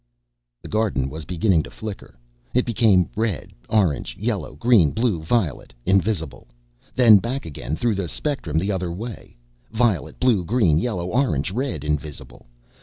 The garden was beginning to flicker. It became red, orange, yellow, green, blue, violet, invisible; then back again through the spectrum the other way violet, blue, green, yellow, orange, red, invisible.